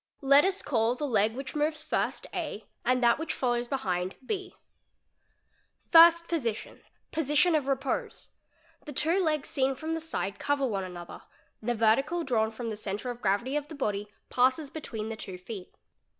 Let us call the leg which moves first A and that which follows shind B. i | First Position—Position of repose—The two legs seen from the side AGA Ra <i ver one another; the vertical drawn from the centre of gravity of the ody passes between the two feet.